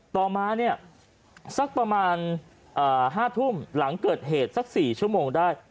ต่อมาเนี่ยสักประมาณ๕ทุ่มหลังเกิดเหตุสัก๔ชั่วโมงได้